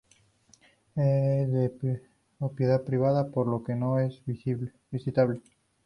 Es de propiedad privada, por lo que no es visitable.